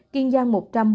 kiên giang một bốn mươi hai